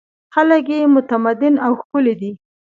خلک یې متمدن او ښکلي دي.